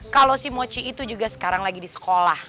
kalau si mochi itu juga sekarang lagi di sekolah